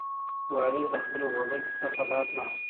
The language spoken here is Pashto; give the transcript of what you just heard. وارث له خپلې غولکې نه لاس نه اخلي.